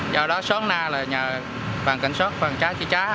do đó sót na là nhà phòng cảnh sát phòng trái trợ trá